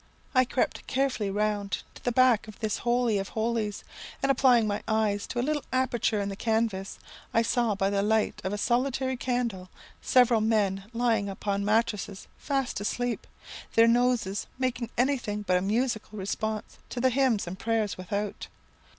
I crept carefully round to the back of this holy of holies, and applying my eyes to a little aperture in the canvas, I saw by the light of a solitary candle several men lying upon mattrasses fast asleep, their noses making anything but a musical response to the hymns and prayers without.